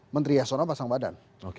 menteri yasona pasang badan